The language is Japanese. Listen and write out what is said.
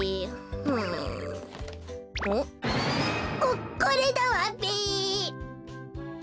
ここれだわべ！